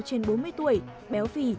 trên bốn mươi tuổi béo phì